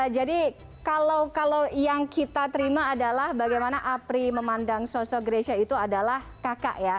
jadi kalau yang kita terima adalah bagaimana apri memandang sosok greysia itu adalah kakak ya